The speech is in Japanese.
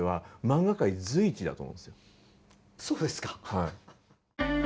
はい。